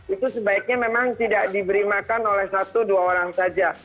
itu sebaiknya memang tidak diberi makan oleh satu dua orang saja